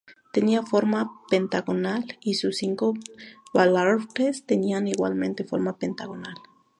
Tenía forma pentagonal y sus cinco baluartes tenían igualmente forma pentagonal.